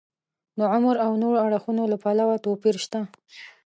د عمر او نورو اړخونو له پلوه توپیر شته.